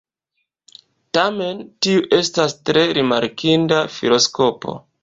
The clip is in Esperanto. Tamen tiu estas tre rimarkinda filoskopo.